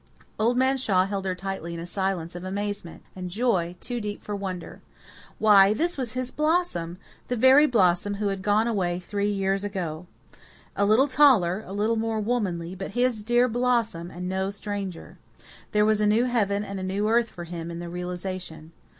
Old Man Shaw held her tightly in a silence of amazement and joy too deep for wonder. Why, this was his Blossom the very Blossom who had gone away three years ago! A little taller, a little more womanly, but his own dear Blossom, and no stranger. There was a new heaven and a new earth for him in the realization.